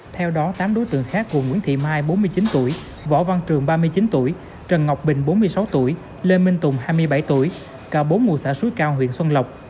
theo đó tám đối tượng khác gồm nguyễn thị mai bốn mươi chín tuổi võ văn trường ba mươi chín tuổi trần ngọc bình bốn mươi sáu tuổi lê minh tùng hai mươi bảy tuổi cao bốn mùa xã suối cao huyện xuân lộc